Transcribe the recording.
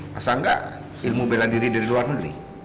masa nggak ilmu bela diri dari luar negeri